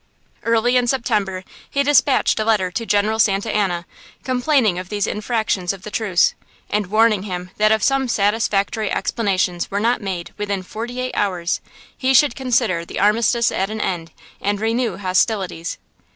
Early in September he despatched a letter to General Santa Anna, complaining of these infractions of the truce, and warning him that if some satisfactory explanations were not made within forty eight hours he should consider the armistice at an end, and renew hostilities.